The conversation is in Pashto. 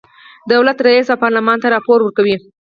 دولت رئیس او پارلمان ته راپور ورکوي.